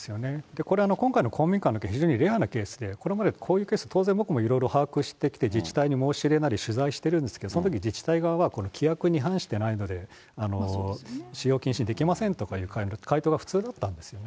これ、今回の公民館の件、非常にレアなケースで、これまでこういうケース、僕もいろいろ把握してきて、自治体に申し入れなり、取材してるんですけど、そのとき自治体はこれ、規約に反してないので、使用禁止にできませんとかいう回答が普通だったんですよね。